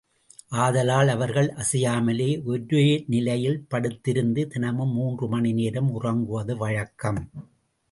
ஆதலால், அவர்கள் அசையாமலே ஒரே நிலையில் படுத்திருந்து தினமும் மூன்று மணிநேரம் உறங்குவது வழக்கம்.